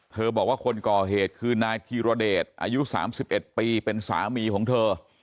บอกว่าคนก่อเหตุคือนายธีรเดชอายุ๓๑ปีเป็นสามีของเธอ